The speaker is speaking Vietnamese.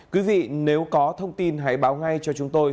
quý vị nếu có thông tin hãy báo ngay cho chúng tôi